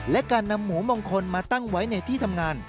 และการนำหมูมงคลมาตั้งไว้ในที่ทำงาน